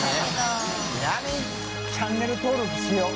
チャンネル登録しよう。